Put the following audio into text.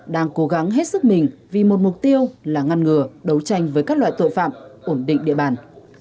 đang cố gắng hết sức mình vì một mục tiêu là ngăn ngừa đấu tranh với các loại tội phạm ổn định địa bàn